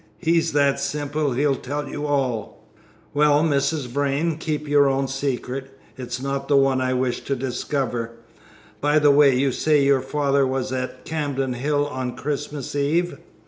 He's that simple he'll tell you all." "Well, Mrs. Vrain, keep your own secret; it is not the one I wish to discover. By the way, you say your father was at Camden Hill on Christmas Eve?"